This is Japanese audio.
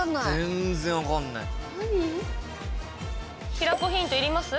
平子ヒント要ります？